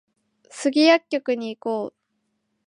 スギ薬局に行こう